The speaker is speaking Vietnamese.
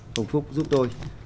hùng phúc giúp tôi